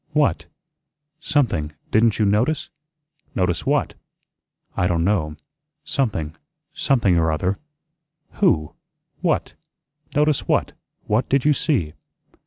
"What?" "Something didn't you notice?" "Notice what?" "I don' know. Something something or other." "Who? What? Notice what? What did you see?"